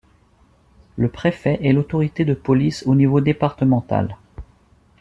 Le préfet est l'autorité de police au niveau départemental.